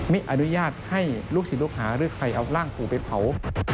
ไม่อนุญาตให้ลูกศิษย์ลูกหาหรือใครเอาร่างปู่ไปเผา